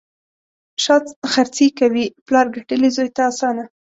شا خرڅي کوي: پلار ګټلي، زوی ته اسانه.